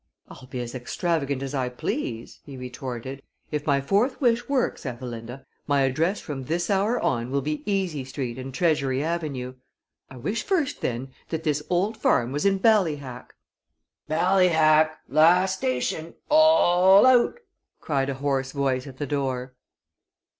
"I'll be as extravagant as I please," he retorted. "If my fourth wish works, Ethelinda, my address from this hour on will be Easy Street and Treasury Avenue. I wish first then that this old farm was in Ballyhack!" [Illustration: "BALLYHACK! LAST STATION ALL OUT!"] "Ballyhack! Last station all out!" cried a hoarse voice at the door.